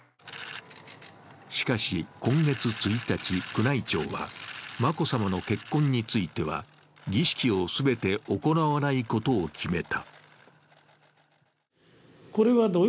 しかし今月１日、宮内庁は、眞子さまの結婚については儀式を全て行わないことを決めた。